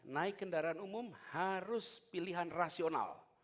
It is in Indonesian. naik kendaraan umum harus pilihan rasional